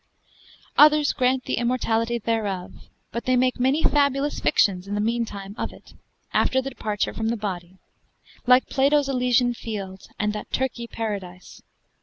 Others grant the immortality thereof, but they make many fabulous fictions in the meantime of it, after the departure from the body: like Plato's Elysian fields, and that Turkey paradise.